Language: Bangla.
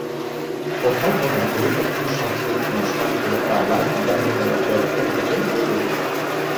কোথাও কোনো গুরুত্বপূর্ণ সাংস্কৃতিক অনুষ্ঠান হলে তা লাইভ জানিয়ে দেয়ার ব্যবস্থা রেখেছে রেডিও টুডে।